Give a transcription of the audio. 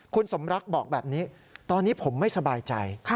คุณสมรักบอกแบบนี้ตอนนี้ผมไม่สบายใจ